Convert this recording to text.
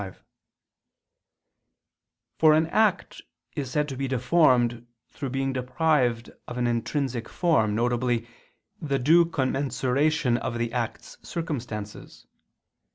5): for an act is said to be deformed through being deprived of an intrinsic form, viz. the due commensuration of the act's circumstances.